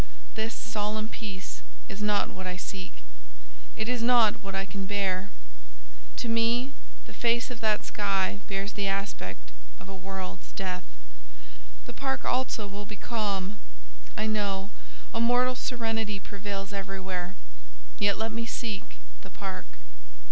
This solemn peace is not what I seek, it is not what I can bear: to me the face of that sky bears the aspect of a world's death. The park also will be calm—I know, a mortal serenity prevails everywhere—yet let me seek the park.